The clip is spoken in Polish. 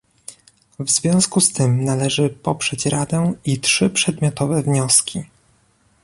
W związku z tym należy poprzeć Radę i trzy przedmiotowe wnioski